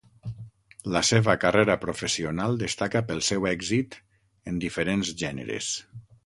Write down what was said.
La seva carrera professional destaca pel seu èxit en diferents gèneres.